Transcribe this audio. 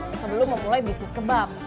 sebelum memulai bisnis kebab